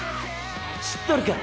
知っとるか？